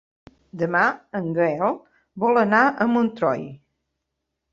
Demà en Gaël vol anar a Montroi.